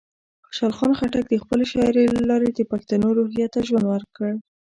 خوشحال خان خټک د خپلې شاعرۍ له لارې د پښتنو روحیه ته ژوند ورکړ.